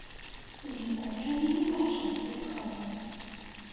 Я ніколі раней не бачыў гэтых кадраў.